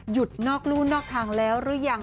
นอกรู่นอกทางแล้วหรือยัง